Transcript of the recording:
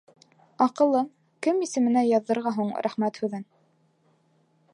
— Аҡыллым, кем исеменә яҙырға һуң рәхмәт һүҙен?